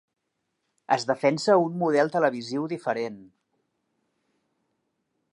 Es defensa un model televisiu diferent.